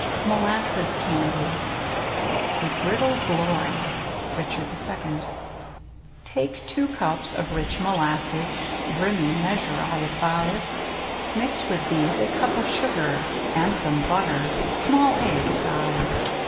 ^"'^ MOLASSES CANDY A brittle glory. — Richard II. Take two cups of rich molasses. Brimming measure, I advise. Mix with these a cup of sugar. And some butter — small egg size.